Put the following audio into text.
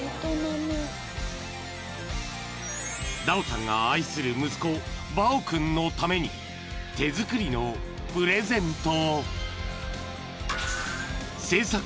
［ダオさんが愛する息子バオ君のために手作りのプレゼントを］